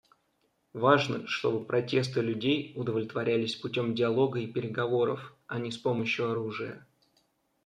Важно, чтобы протесты людей удовлетворялись путем диалога и переговоров, а не с помощью оружия.